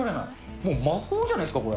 もう魔法じゃないですか、これ。